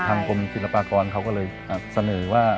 กรมศิลปากรเขาก็เลยเสนอว่า